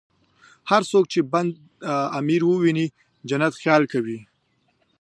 هر څوک چې بند امیر ویني، د جنت خیال کوي.